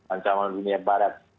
ancaman dunia barat